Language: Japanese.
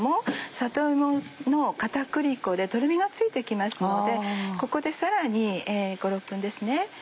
里芋の片栗粉でトロミがついて来ますのでここでさらに５６分ですね。